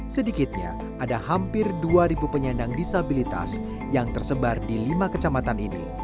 sedikitnya ada hampir dua penyandang disabilitas yang tersebar di lima kecamatan ini